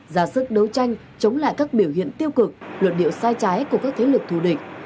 giả sức đấu tranh chống lại các biểu hiện tiêu cực luật điệu sai trái của các thế lực thù địch